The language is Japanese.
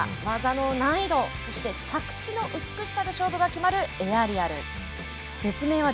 技の難易度、そして着地の美しさで勝負が決まるエアリアル。